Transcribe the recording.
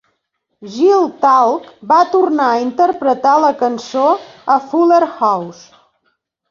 Girl Talk va tornar a interpretar la cançó a "Fuller House".